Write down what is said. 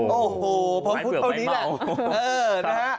โอ้โหพอพูดเท่านี้แหละ